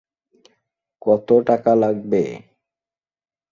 কতো টাকা লাগবে?